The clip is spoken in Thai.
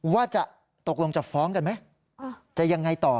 ว่าจะตกลงจะฟ้องกันไหมจะยังไงต่อ